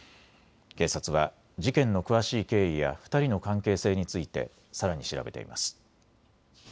警察は事件の詳しい経緯や２人の関係性についてさらに調べています。